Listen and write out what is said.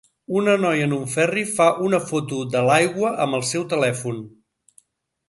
Una noia en un ferri fa una foto de l'aigua amb el seu telèfon.